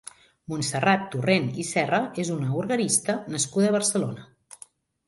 Montserrat Torrent i Serra és una organista nascuda a Barcelona.